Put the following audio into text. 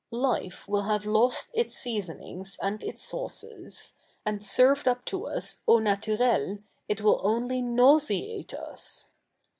Life will have lost its seasonifigs a/id its sauces ; a7id served up to us au nature! // zvill 07ily 7iauseate us.